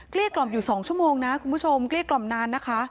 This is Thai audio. กล่อมอยู่๒ชั่วโมงนะคุณผู้ชมเกลี้ยกล่อมนานนะคะ